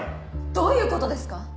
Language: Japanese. どういうことですか！？